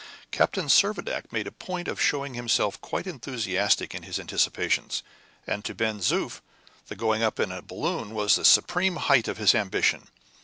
Captain Servadac made a point of showing himself quite enthusiastic in his anticipations, and to Ben Zoof the going up in a balloon was the supreme height of his ambition.